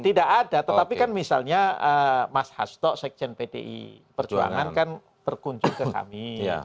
tidak ada tetapi kan misalnya mas hasto sekjen pdi perjuangan kan berkunjung ke kami